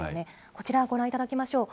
こちら、ご覧いただきましょう。